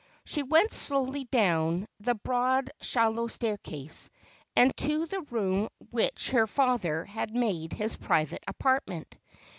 She went slowly down the broad shallow staircase, and to the room which her father had made his private apartment.